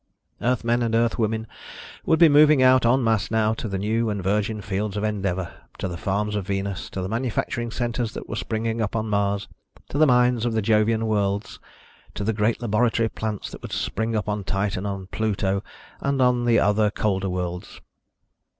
Earthmen and Earthwomen would be moving out en masse now to the new and virgin fields of endeavor to the farms of Venus, to the manufacturing centers that were springing up on Mars, to the mines of the Jovian worlds, to the great laboratory plants that would spring up on Titan and on Pluto and on the other colder worlds.